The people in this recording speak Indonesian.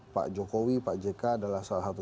pak jokowi pak jk adalah salah satu